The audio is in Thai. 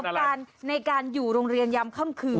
ประสบการณ์ในการอยู่โรงเรียนยำค่ำคืน